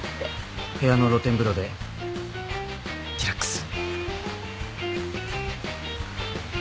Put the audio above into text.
部屋の露天風呂でリラックス。